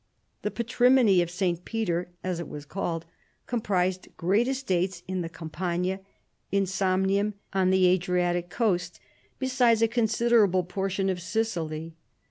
The " Patrimony of St. Peter," as it was called, comprised great estates in the Campagna, in Samnium, on the Adriatic coast, besides a considerable portion of Sicily.